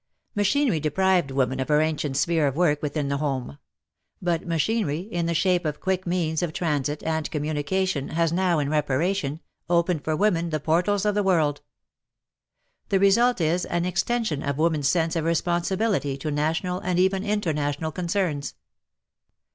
Machinery deprived woman of her ancient sphere of work within the home ; but machinery, in the shape of quick means of transit and communication, has now, in reparation, opened for woman the portals of the world. The result is an extension of woman's sense of re sponsibility to national and even international concerns.